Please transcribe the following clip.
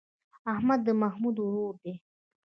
احمد د محمود ورور دی.